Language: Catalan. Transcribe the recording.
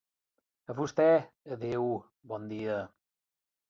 A vostè, adéu bon dia.